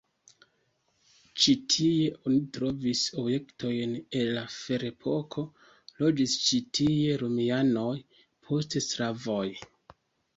Ĉi tie oni trovis objektojn el la ferepoko, loĝis ĉi tie romianoj, poste slavoj.